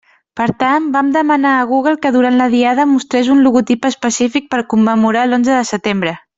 Per tant, vam demanar a Google que durant la Diada mostrés un logotip específic per commemorar l'onze de setembre.